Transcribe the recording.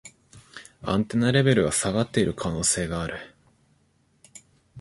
アンテナレベルが下がってる可能性がある